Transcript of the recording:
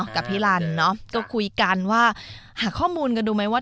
กับพี่ลันเนาะก็คุยกันว่าหาข้อมูลกันดูไหมว่า